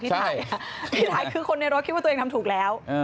พี่ถ่ายคือคนในรถคิดว่าตัวเองทำถูกแล้ว